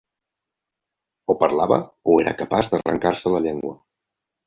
O parlava o era capaç d'arrancar-se la llengua.